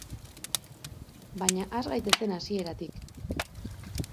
Baina has gaitezen hasieratik.